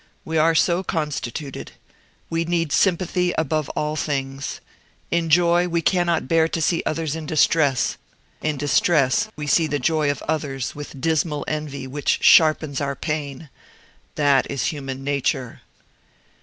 We are so constituted. We need sympathy above all things. In joy we cannot bear to see others in distress; in distress we see the joy of others with dismal envy which sharpens our pain. That is human nature."